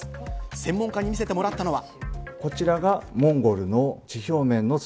専門家に見せてもらったのは。